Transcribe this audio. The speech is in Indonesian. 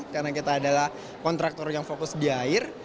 karena kita adalah kontraktor yang fokus di air